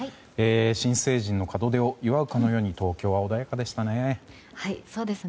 新成人の門出を祝うかのように今日は穏やかでしたね。